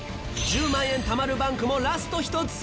１０万円貯まるＢＡＮＫもラスト１つ。